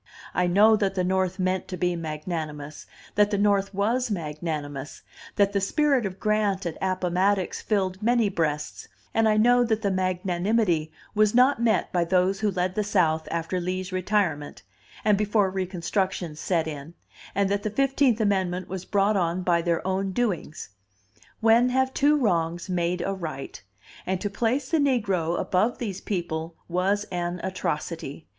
I know that the North meant to be magnanimous, that the North was magnanimous, that the spirit of Grant at Appomattox filled many breasts; and I know that the magnanimity was not met by those who led the South after Lee's retirement, and before reconstruction set in, and that the Fifteenth Amendment was brought on by their own doings: when have two wrongs made a right? And to place the negro above these people was an atrocity.